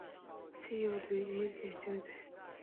是要做類似這種的？